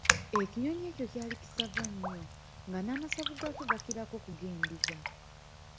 Ekinyonyi ekyo ky'ali kisava nnyo, nga n'amasavu g'akyo gakirako ku g'endiga.